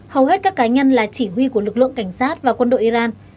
hầu hết các cá nhân là chỉ huy của lực lượng cảnh sát và quân đội iran